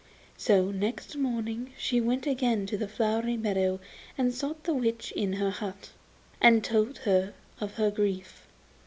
So next morning she went again to the flowery meadow and sought the witch in her hut, and told her of her grief.